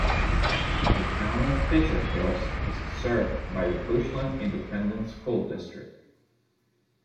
The Town of Bishop Hills is served by the Bushland Independent School District.